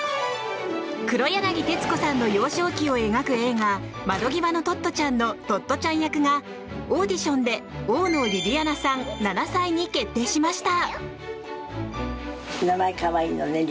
黒柳徹子さんの幼少期を描く映画「窓ぎわのトットちゃん」のトットちゃん役がオーディションで大野りりあなさん、７歳に決定しました。